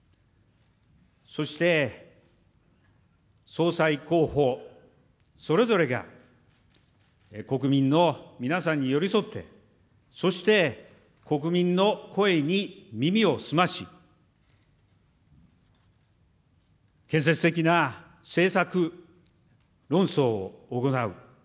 そして、総裁候補それぞれが、国民の皆さんに寄り添って、そして国民の声に耳を澄まし、建設的な政策論争を行う。